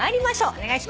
お願いします。